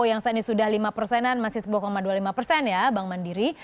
yang saat ini sudah lima persenan masih sebuah dua puluh lima persen ya bank mandiri